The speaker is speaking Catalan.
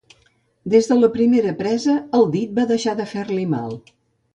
Des de la primera presa, el dit va deixar de fer-li mal.